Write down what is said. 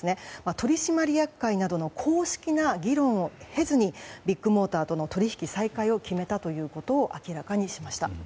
取締役会などの公式な議論を経ずにビッグモーターとの取引再開を決めたということを明らかにしました。